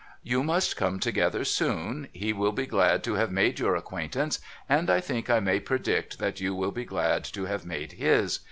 ' You must come together soon. He will be glad to have made your acquaintance, and I think I may predict that you will be glad to have made his.